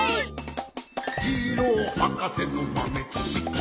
「ジローはかせのまめちしき」